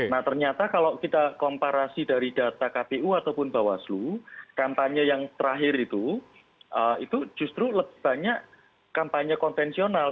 nah ternyata kalau kita komparasi dari data kpu ataupun bawaslu kampanye yang terakhir itu itu justru lebih banyak kampanye konvensional